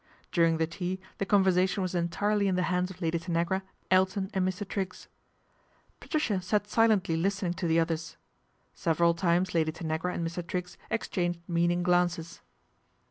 During the tea the conversation was entirely in he hands of Lady Tanagra, Elton and Mr. Triggs. atricia sat silently listening to the others. >everal times Lady Tanagra and Mr. Triggs ex hanged meaning glances.